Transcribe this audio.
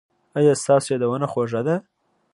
ایا ستاسو یادونه خوږه ده؟